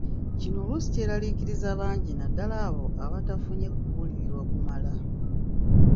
Kino oluusi kyeraliikiriza bangi naddala abo abatafunye kubuulirirwa kumala.